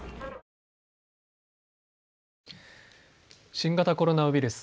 新型コロナウイルス。